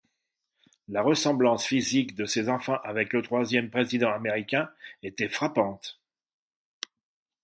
La ressemblance physique de ces enfants avec le troisième président américain était frappante.